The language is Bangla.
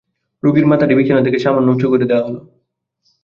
রোগীর মাথাটি বিছানা থেকে সামান্য উঁচু করে দেয়া হল।